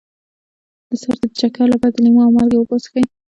د سر د چکر لپاره د لیمو او مالګې اوبه وڅښئ